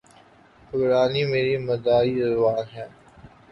عبرانی میری مادری زبان ہے